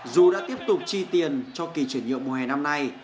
dù đã tiếp tục chi tiền cho kỳ chuyển nhượng mùa hè năm nay